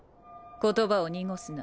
言葉を濁すな。